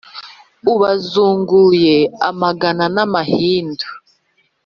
ubazunguye amagana na mahindu.